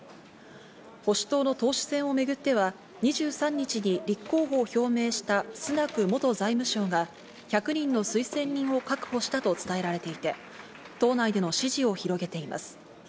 保守党の党首選をめぐっては、２３日に立候補表明したスナク元財務相が１００人の推薦人を確保したと伝えられていて、党内での支持を広げています。